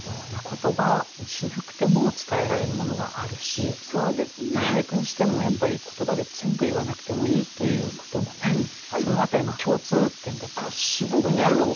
言葉にしなくても伝えられるものがあるし俳句にしてもやっぱり言葉で全部言わなくてもいいということもねその辺りも共通点が多分にあるかもしれない。